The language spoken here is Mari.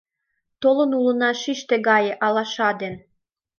Толын улына шиште гай алаша ден -